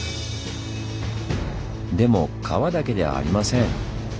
でも川だけではありません。